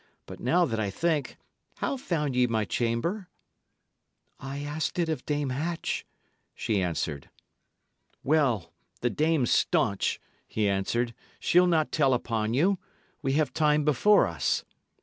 But now that I think, how found ye my chamber?" "I asked it of Dame Hatch," she answered. "Well, the dame's staunch," he answered; "she'll not tell upon you. We have time before us."